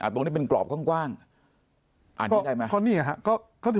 ตรงนี้เป็นกรอบกว้างอ่านข้อได้ไหม